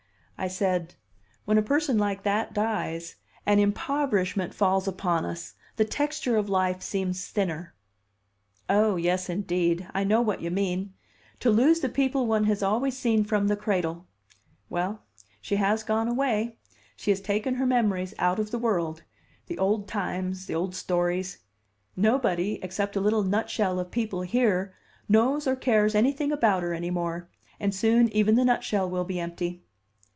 I said: "When a person like that dies, an impoverishment falls upon us; the texture of life seems thinner." "Oh, yes, indeed! I know what you mean to lose the people one has always seen from the cradle. Well, she has gone away, she has taken her memories out of the world, the old times, the old stories. Nobody, except a little nutshell of people here, knows or cares anything about her any more; and soon even the nutshell will be empty."